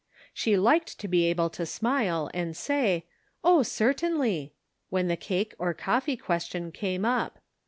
She liked to be able to smile and say, "Oh, certainly," when the cake or coffee question came up.